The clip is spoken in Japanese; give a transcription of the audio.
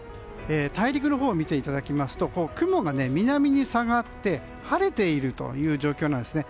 大陸のほうを見ていただきますと雲が南に下がって晴れているという状況なんですね。